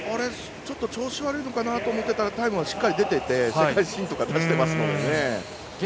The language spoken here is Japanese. ちょっと調子悪いのかなって思ってたらタイムはしっかり出ていて世界新とか出ていますからね。